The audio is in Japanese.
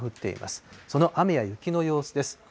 その雨や雪の様子です。